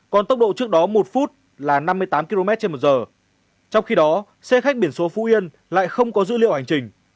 còn tốc độ trước đó một phút là năm mươi tám kmh trong khi đó xe khách biển số phú yên lại không có dữ liệu hành trình